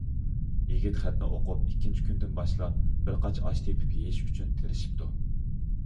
يىگىت خەتنى ئوقۇپ ئىككىنچى كۈنىدىن باشلاپ بىر قاچا ئاش تېپىپ يېيىش ئۈچۈن تىرىشىپتۇ.